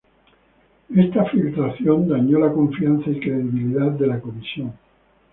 Esta filtración dañó la confianza y credibilidad de la Comisión.